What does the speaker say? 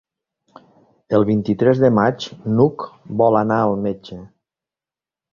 El vint-i-tres de maig n'Hug vol anar al metge.